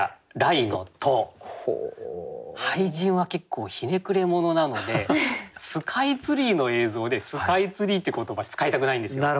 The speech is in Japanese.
俳人は結構ひねくれ者なのでスカイツリーの映像で「スカイツリー」って言葉使いたくないんですよ。